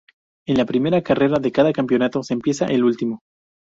En la primera carrera de cada campeonato se empieza el último.